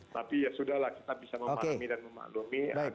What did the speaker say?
tapi ya sudah lah kita bisa memahami dan memaklumi